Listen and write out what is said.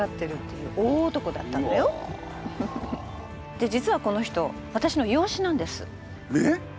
で実はこの人私の養子なんです。えっ！？